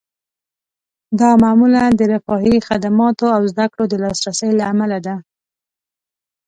دا معمولاً د رفاهي خدماتو او زده کړو د لاسرسي له امله ده